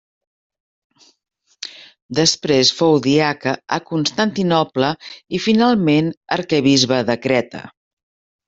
Després fou diaca a Constantinoble, i finalment arquebisbe de Creta.